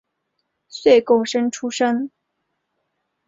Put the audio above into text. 岁贡生出身。